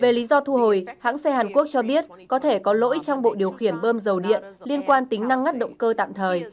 về lý do thu hồi hãng xe hàn quốc cho biết có thể có lỗi trong bộ điều khiển bơm dầu điện liên quan tính năng ngắt động cơ tạm thời